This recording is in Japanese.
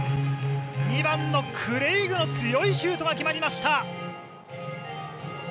２番のクレイグの強いシュートが決まりました。